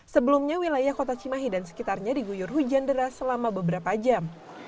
sebelumnya wilayah kota cimahi dan sekitarnya diguyur hujan deras selama beberapa jam